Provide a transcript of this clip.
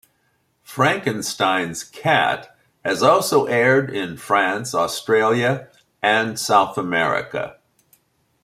Frankenstein's Cat has also aired in France, Australia and South America.